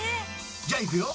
じゃあいくよ。